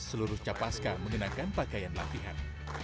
seluruh capaska mengenakan pakaian latihan